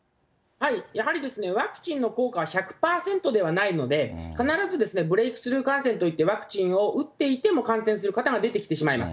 やはりワクチンの効果は１００％ではないので、必ずブレークスルー感染といって、ワクチンを打っていても感染する方が出てきてしまいます。